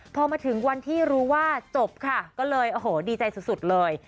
พอมาถึงวันที่รู้ว่าจบค่ะก็เลยโอ้โหดีใจสุดเลย